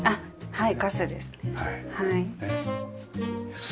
はい。